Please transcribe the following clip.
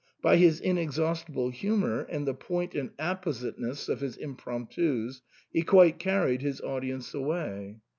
By his inexhaustible hu mour, and the point and appositeness of his impromptus, he quite carried his audience away.